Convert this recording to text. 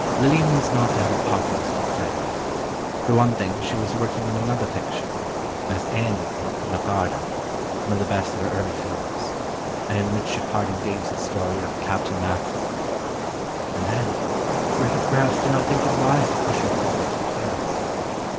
Lillian was not to have a part in this new play. For one thing, she was working in another picture—as Annie, in "Enoch Arden"—one of the best of her early films—and in Richard Harding Davis' story of "Captain Macklin." And then, Griffith perhaps did not think it wise to push her forward too fast.